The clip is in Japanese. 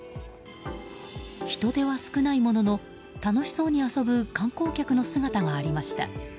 人出は少ないものの楽しそうに遊ぶ観光客の姿がありました。